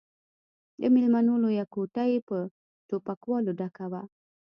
د ميلمنو لويه کوټه يې په ټوپکوالو ډکه وه.